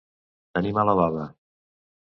Tenir mala bava.